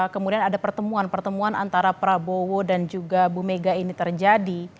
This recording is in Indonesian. kemudian ada pertemuan antara prabowo dan juga bumega ini terjadi